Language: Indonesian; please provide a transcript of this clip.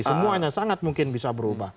semuanya sangat mungkin bisa berubah